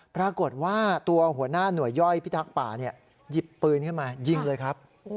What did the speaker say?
ปรากฏว่าตัวหัวหน้าหน่วยย่อยพิทักษ์ป่าหยิบปืนขึ้นมายิงเลยครับ